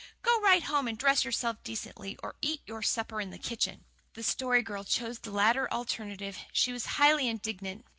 Go right home and dress yourself decently or eat your supper in the kitchen." The Story Girl chose the latter alternative. She was highly indignant.